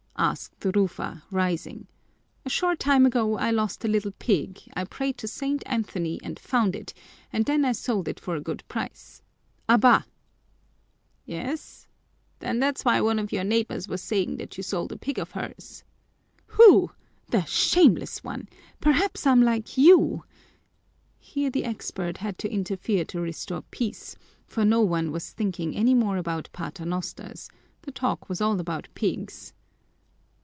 asked Rufa, rising. "A short time ago I lost a little pig, I prayed to St. Anthony and found it, and then I sold it for a good price. Abá!" "Yes? Then that's why one of your neighbors was saying that you sold a pig of hers." "Who? The shameless one! Perhaps I'm like you " Here the expert had to interfere to restore peace, for no one was thinking any more about paternosters the talk was all about pigs.